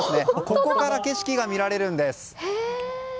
ここから景色が見られるんです。